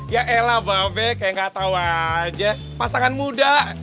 ya elah mba be kayak gak tau aja pasangan muda